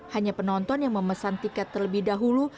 hanya penonton yang memesan tiket terlebih dahulu